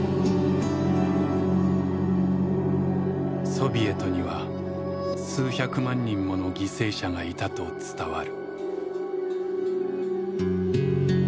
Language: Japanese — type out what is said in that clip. ソビエトには数百万人もの犠牲者がいたと伝わる。